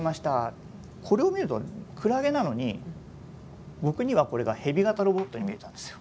これを見るとクラゲなのに僕にはこれがヘビ型ロボットに見えたんですよ。